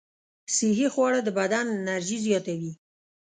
صحي خواړه د بدن انرژي زیاتوي.